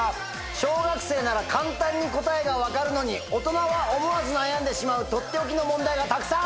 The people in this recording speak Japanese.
小学生なら簡単に答えが分かるのに大人は思わず悩んでしまうとっておきの問題がたくさん。